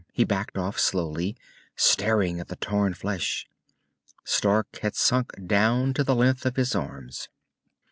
He backed off slowly, staring at the torn flesh. Stark had sunk down to the length of his arms.